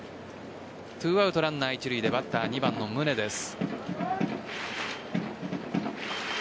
２アウトランナー一塁でバッター、２番の宗です。